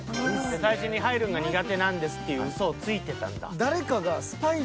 最初に入るんが苦手なんですっていうウソをついてたんだ。